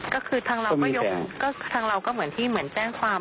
ก็คือทางเราก็ทางเราก็เหมือนที่เหมือนแจ้งความ